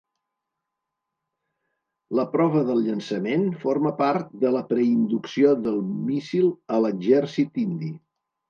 La prova de llançament forma part de la preinducció del míssil a l'exèrcit indi.